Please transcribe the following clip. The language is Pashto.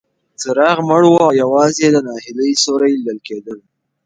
څراغ مړ و او یوازې د ناهیلۍ سیوري لیدل کېدل.